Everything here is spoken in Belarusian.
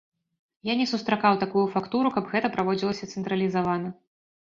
Я не сустракаў такую фактуру, каб гэта праводзілася цэнтралізавана.